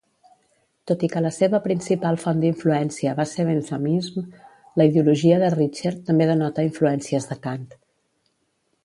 Tot i que la seva principal font d'influència va ser Benthamism, la ideologia de Richert també denota influències de Kant.